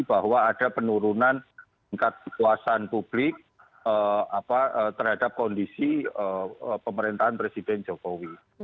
bahwa ada penurunan tingkat kepuasan publik terhadap kondisi pemerintahan presiden jokowi